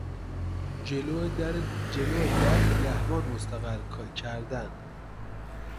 جلو در نگهبان مستقر کردن